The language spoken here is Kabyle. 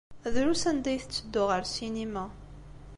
Drus anda ay tetteddu ɣer ssinima.